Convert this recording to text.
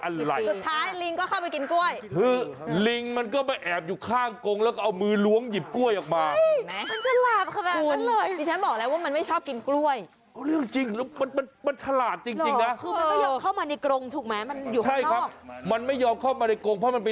นี่ไงขุมไว้เลยนี่